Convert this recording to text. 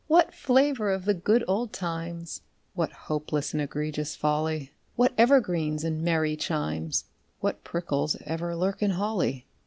_) What flavour of the good old times! (What hopeless and egregious folly!) What evergreens and merry chimes! (_What prickles ever lurk in holly!